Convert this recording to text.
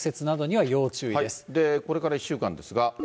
これから１週間ですが。